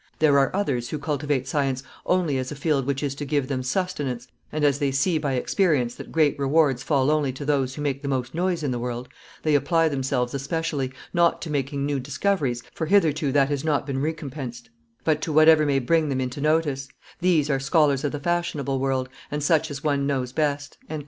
There are others who cultivate science only as a field which is to give them sustenance, and, as they see by experience that great rewards fall only to those who make the most noise in the world, they apply themselves especially, not to making new discoveries, for hitherto that has not been recompensed, but to whatever may bring them into notice; these are scholars of the fashionable world, and such as one knows best."